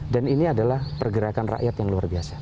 dan ini adalah pergerakan rakyat yang luar biasa